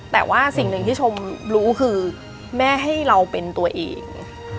แต่ว่าสิ่งหนึ่งที่ชมรู้คือแม่ให้เราเป็นตัวเอง